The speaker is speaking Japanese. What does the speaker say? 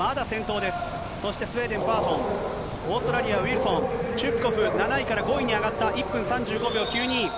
そしてスウェーデン、オーストラリア、ウィルソン、チュプコフ、７位から５位に上がった、１分３５秒９２。